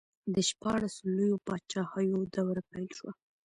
د شپاړسو لویو پاچاهیو دوره پیل شوه.